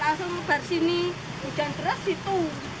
langsung ke sini udang keras itu